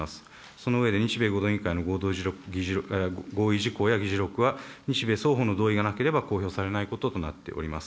その上で、日米合同委員会の合意事項や議事録は日米双方の同意がなければ公表されないこととなっております。